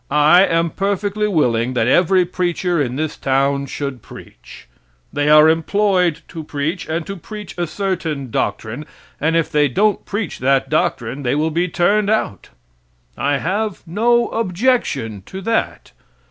I am perfectly willing that every preacher in this town should preach. They are employed to preach, and to preach a certain doctrine, and if they don't preach that doctrine they will be turned out. I have no objection to that.